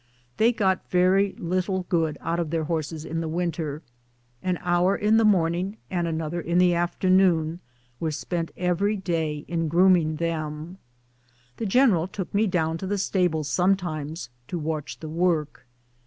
They got very little good out of their horses in the win ter. An hour in the morning and another in the after noon were spent every day in grooming them. The general took me down to the stables sometimes to watch the work.